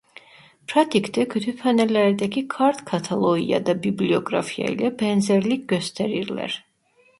Pratikte kütüphanelerdeki kart kataloğu ya da bibliyografya ile benzerlik gösterirler.